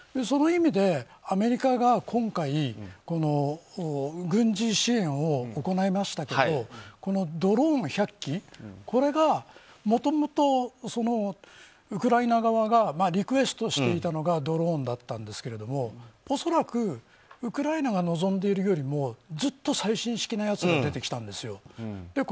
その意味で、アメリカが今回、軍事支援を行いましたけどドローン１００機これがもともとウクライナ側がリクエストしていたのがドローンだったんですけど恐らくウクライナが望んでいるよりもずっと最新式のやつが出てきたんですよ。